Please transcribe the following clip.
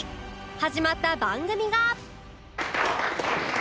始まった番組が